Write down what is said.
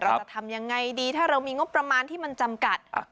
เราจะทำยังไงดีถ้าเรามีงบประมาณที่มันจำกัด